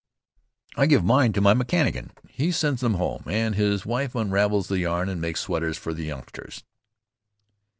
"I give mine to my mechanician. He sends them home, and his wife unravels the yarn and makes sweaters for the youngsters."